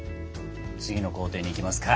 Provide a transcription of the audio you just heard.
次の工程にいきますか！